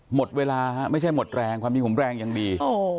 หมดเวลาฮะไม่ใช่หมดแรงความจริงผมแรงยังดี